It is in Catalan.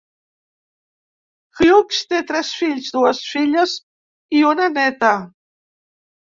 Hughes té tres fills, dues filles i una néta.